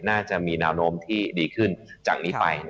น่าจะมีแนวโน้มที่ดีขึ้นจากนี้ไป